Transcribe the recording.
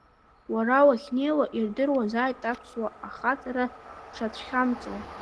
Уара уахьнеиуа ирдыруазааит аԥсуа ахаҵара дшацәхьамҵуа.